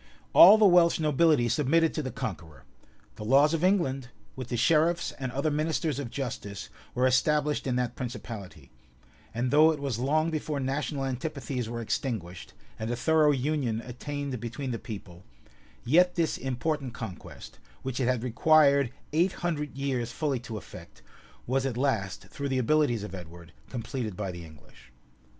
[] All the Welsh nobility submitted to the conqueror; the laws of England, with the sheriffs and other ministers of justice, were established in that principality; and though it was long before national antipathies were extinguished, and a thorough union attained between the people, yet this important conquest, which it had required eight hundred years fully to effect, was at last, through the abilities of Edward, completed by the English.